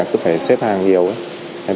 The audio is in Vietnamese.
cứ phải xếp hàng nhiều